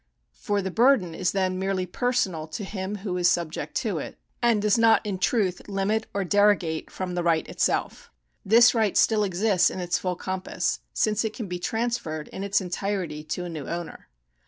For the burden is then merely personal to him who is subject to it, and does not in truth hmit or derogate from the right itself. This right still exists in its full compass, since it can be transferred in its entirety to a new owner.